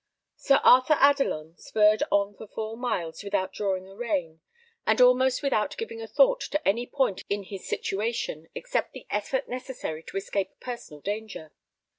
Sir Arthur Adelon spurred on for four miles without drawing a rein, and almost without giving a thought to any point in his situation, except the effort necessary to escape personal danger.